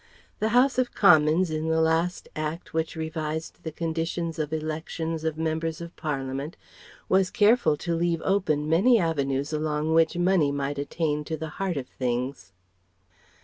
The House of Commons in the last Act which revised the conditions of elections of members of Parliament was careful to leave open many avenues along which Money might attain to the heart of things.